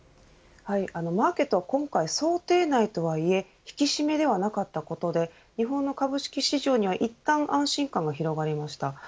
マーケットは今回想定内とはいえ引き締めではなかったことで日本の株式市場には、いったん安心感が広がりました。